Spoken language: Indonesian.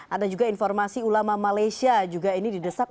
ada juga informasi ulama malaysia juga ini di desain